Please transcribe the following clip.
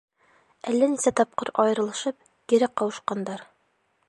Әллә нисә тапҡыр айырылышып, кире ҡауышҡандар.